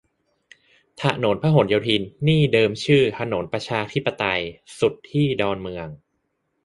ถนนพหลโยธินนี่เดิมชื่อ "ถนนประชาธิปไตย" สุดที่ดอนเมือง